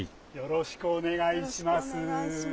よろしくお願いします。